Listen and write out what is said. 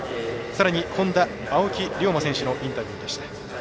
さらに、Ｈｏｎｄａ青木涼真選手のインタビューでした。